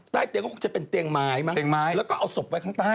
เตียงก็คงจะเป็นเตียงไม้มั้งไม้แล้วก็เอาศพไว้ข้างใต้